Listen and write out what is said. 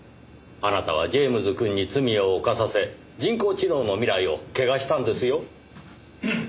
あなたはジェームズくんに罪を犯させ人工知能の未来を汚したんですよ。